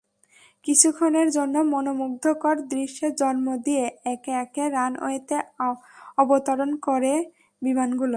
কিছুক্ষণের জন্য মনোমুগ্ধকর দৃশ্যের জন্ম দিয়ে একে একে রানওয়েতে অবতরণ করে বিমানগুলো।